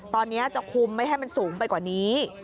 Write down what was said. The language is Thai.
ตอนนี้จะคุมไม่ให้มันสูงไปกว่านี้